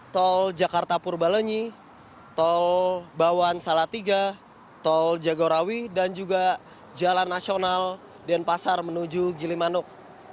tol jakarta purbalenyi tol bawan salatiga tol jagorawi dan juga jalan nasional denpasar menuju gilimanuk